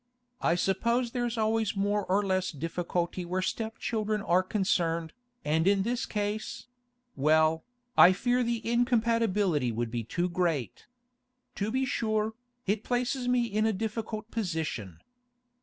I suppose there's always more or less difficulty where step children are concerned, and in this case—well, I fear the incompatibility would be too great. To be sure, it places me in a difficult position.